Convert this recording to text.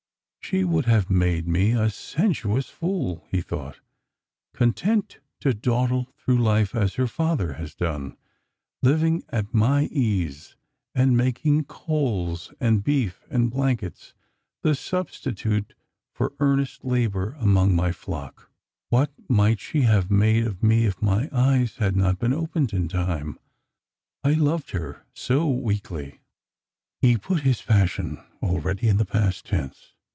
"She would have made me a sensuous fool," he thought; " content to dawdle through life as her father has done, living at my ease, and making coals and beef and blankets the substi tute for earnest labour among my flock. What might she not have made of me if my eyes had not been opened in time ? I loved her so weakly." He put his passion already in the past tense.